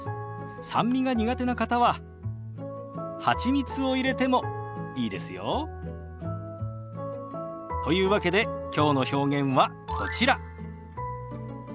酸味が苦手な方ははちみつを入れてもいいですよ。というわけできょうの表現はこちら。